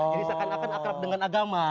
jadi seakan akan akrab dengan agama